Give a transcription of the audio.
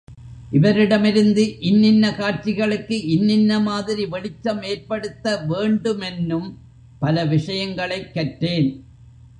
இவரிடமிருந்து இன்னின்ன காட்சிகளுக்கு இன்னின்ன மாதிரி வெளிச்சம் ஏற்படுத்த வேண்டுமென்னும் பல விஷயங்களைக் கற்றேன்.